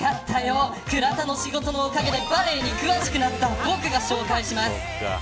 倉田の仕事のおかげでバレーに詳しくなった僕が紹介します。